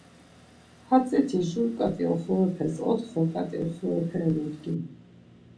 Hatziti jur ǩat̆i oxorepes otxo ǩat̆i oxorepe eludgin.